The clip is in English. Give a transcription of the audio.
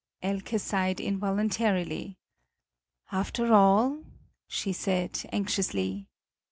Elke sighed involuntarily. "After all?" she said, anxiously.